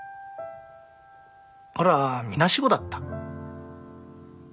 俺はみなしごだった。